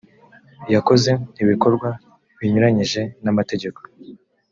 yakoze ibikorwa binyuranyije n’amategeko